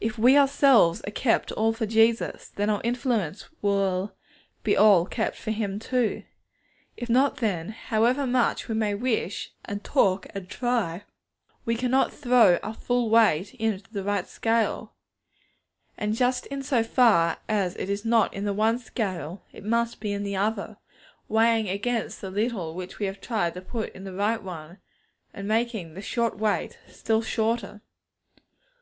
If we ourselves are kept all for Jesus, then our influence will be all kept for Him too. If not, then, however much we may wish and talk and try, we cannot throw our full weight into the right scale. And just in so far as it is not in the one scale, it must be in the other; weighing against the little which we have tried to put in the right one, and making the short weight still shorter.